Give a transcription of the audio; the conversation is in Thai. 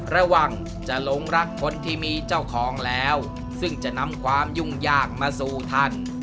ระวังจะหลงรักคนที่มีเจ้าของแล้วซึ่งจะนำความยุ่งยากมาสู่ท่าน